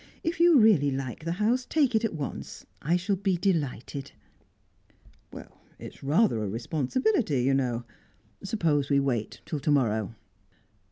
If you really like the house, take it at once. I shall be delighted." "It's rather a responsibility, you know. Suppose we wait till to morrow?"